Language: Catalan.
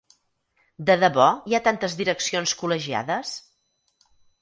De debò hi ha tantes direccions col·legiades?